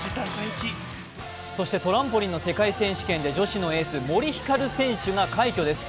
そしてトランポリンの世界選手権で女子のエース、森ひかる選手が快挙です。